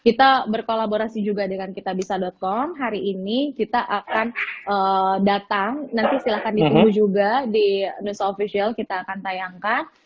kita berkolaborasi juga dengan kitabisa com hari ini kita akan datang nanti silahkan ditunggu juga di nusa official kita akan tayangkan